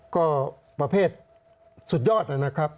ก็ประเภทสุดยอดนะครับ